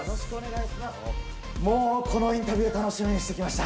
もう、このインタビュー、楽しみにしてきました。